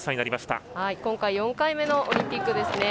今回、４回目のオリンピック。